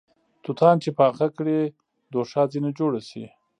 توتان چې پاخه کړې دوښا ځنې جوړه سې